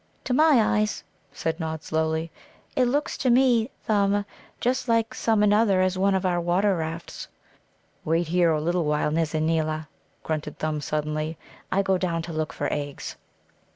"To my eyes," said Nod slowly, "it looks to me, Thumb, just like such another as one of our water rafts." "Wait here a little while, Nizza neela," grunted Thumb suddenly; "I go down to look for eggs."